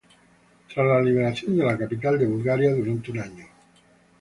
Tras la liberación de la capital de Bulgaria durante un año.